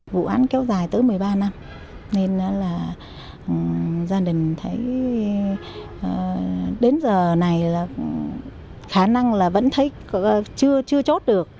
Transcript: vụ án kéo dài tới một mươi ba năm nên là gia đình thấy đến giờ này là khả năng là vẫn thấy chưa chốt được